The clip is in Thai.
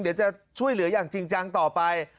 เดี๋ยวจะช่วยเหลืออย่างจริงจังต่อไป